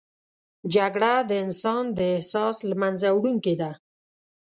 جګړه د انسان د احساس له منځه وړونکې ده